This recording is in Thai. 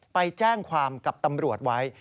ไปแจ้งความกับตำรวจไว้